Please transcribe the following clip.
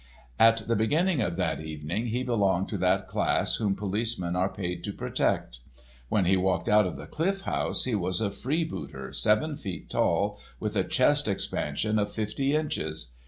At the beginning of that evening he belonged to that class whom policemen are paid to protect. When he walked out of the Cliff House he was a free booter seven feet tall, with a chest expansion of fifty inches.